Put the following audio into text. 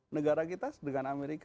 negara kita dengan amerika